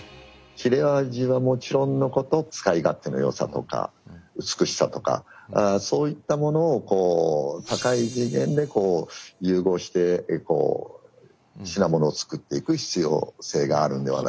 切れ味はもちろんのこと使い勝手のよさとか美しさとかそういったものを高い次元で融合して品物を作っていく必要性があるんではないかなという。